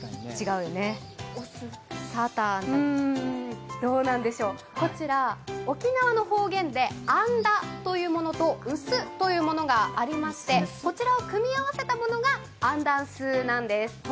うーん、どうなんでしょう、こちら沖縄の方言で「アンダ」というものと「ンス」というものがありましてこちらを組み合わせたものがアンダンスーなんです。